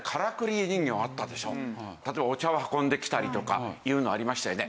そう例えばお茶を運んできたりとかっていうのありましたよね。